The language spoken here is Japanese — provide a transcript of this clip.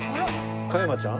加山ちゃん？